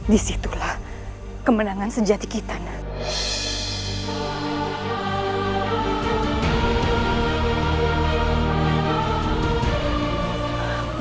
disitulah kemenangan sejati kita nanti